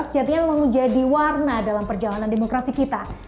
sejatinya yang memudah diwarna dalam perjalanan demokrasi kita